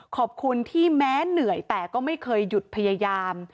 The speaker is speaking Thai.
ขอบคุณที่แม้เหนื่อยแต่ก็ไม่เคยหยุดพยายาม